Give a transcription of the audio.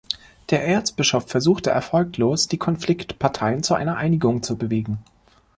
Der Erzbischof versuchte erfolglos, die Konfliktparteien zu einer Einigung zu bewegen.